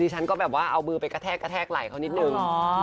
ฉันก็แบบว่าเอามือไปกระแทกกระแทกไหล่เขานิดนึง